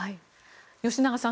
吉永さん